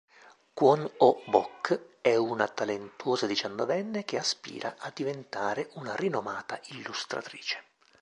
Kwon Oh-bok è una talentuosa diciannovenne che aspira a diventare una rinomata illustratrice.